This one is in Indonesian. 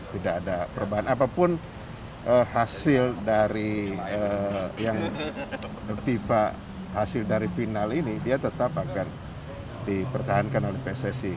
tidak ada perubahan apapun hasil dari yang fifa hasil dari final ini dia tetap akan dipertahankan oleh pssi